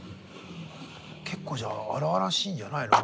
結構じゃあ荒々しいんじゃないの？